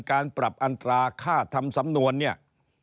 การปรับอัตราค่าทำสำนวนเนี่ย